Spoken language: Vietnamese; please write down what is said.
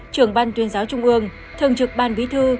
trưởng ban tuyên giáo trung ương thường trực ban bí thư